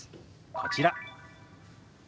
こちら。